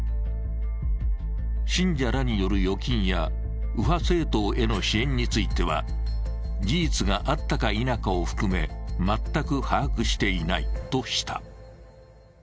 信者らによる預金や右派政党への支援については事実があったか否かを含め、全く把握していないとした。